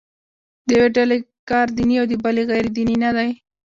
د یوې ډلې کار دیني او د بلې غیر دیني نه دی.